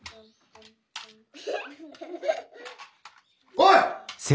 ・おい！